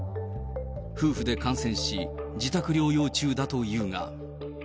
夫婦で感染し、自宅療養中だというが。